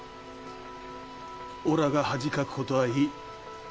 おらが恥かくことはいい。